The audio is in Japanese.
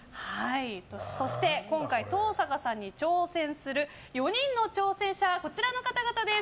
そして今回、登坂さんに挑戦する４人の挑戦者はこちらの方々です。